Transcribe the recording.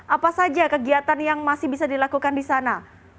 apa saja kegiatan yang masih bisa dilakukan di sana